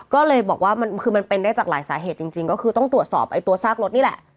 ก็เลยบอกว่ามันคือมันเป็นได้จากหลายสาเหตุจริงก็คือต้องตรวจสอบตัวซากรถนี่แหละ